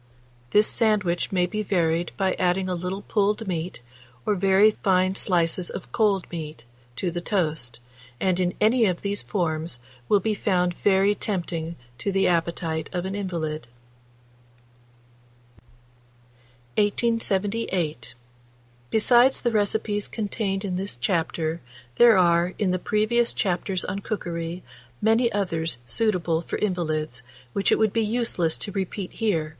This sandwich may be varied by adding a little pulled meat, or very fine slices of cold meat, to the toast, and in any of these forms will be found very tempting to the appetite of an invalid. 1878. Besides the recipes contained in this chapter, there are, in the previous chapters on cookery, many others suitable for invalids, which it would be useless to repeat here.